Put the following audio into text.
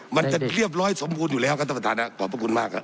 มันจะเรียบร้อยสมบูรณ์อยู่แล้วครับท่านประธานครับขอบพระคุณมากครับ